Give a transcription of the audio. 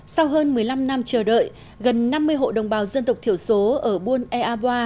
sau hơn một mươi năm năm chờ đợi gần năm mươi hộ đồng bào dân tộc thiểu số ở buôn ea boa